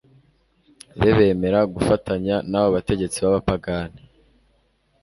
be bemera gufatanya n’abo bategetsi b’abapagani,